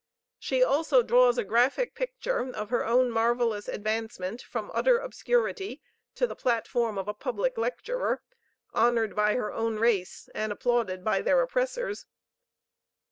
She also draws a graphic picture of her own marvellous advancement from utter obscurity to the platform of a public lecturer, honored by her own race and applauded by their oppressors.